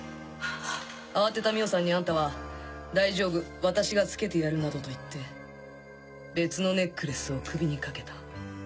慌てた美緒さんにあんたは「大丈夫私がつけてやる」などと言って別のネックレスを首にかけた。